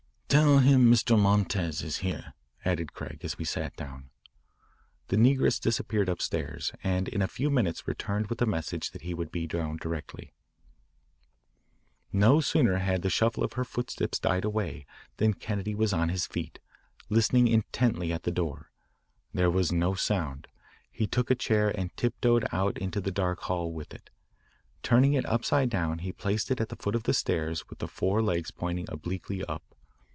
"Tell him Mr. Montez is here," added Craig as we sat down. The negress disappeared upstairs, and in a few minutes returned with the message that he would be down directly. No sooner had the shuffle of her footsteps died away than Kennedy was on his feet, listening intently at the door. There was no sound. He took a chair and tiptoed out into the dark hall with it. Turning it upside down he placed it at the foot of the stairs with the four legs pointing obliquely up.